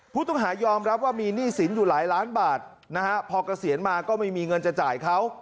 ผู้ต้องหายอมรับว่ามีหนี้สินอยู่หลายล้านบาทนะฮะพอเกษียณมาก็ไม่มีเงินจะจ่ายเขา